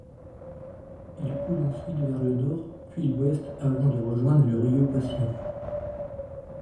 Il coule ensuite vers le nord puis l'ouest avant de rejoindre le río Patía.